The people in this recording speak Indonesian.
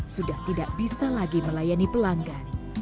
sudah tidak bisa lagi melayani pelanggan